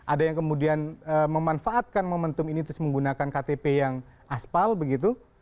ada yang kemudian memanfaatkan momentum ini terus menggunakan ktp yang aspal begitu